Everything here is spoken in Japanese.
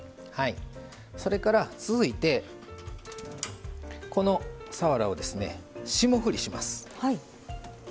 それから続いてこのさわらを霜降りします。